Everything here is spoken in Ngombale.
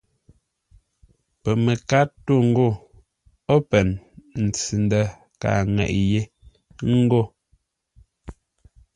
Pəməkár tô ngô: “Open!” Ntsʉ-ndə̂ kâa ŋeʼé; ńgó.